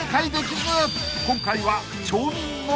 ［今回は］